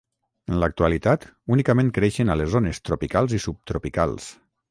En l'actualitat, únicament creixen a les zones tropicals i subtropicals.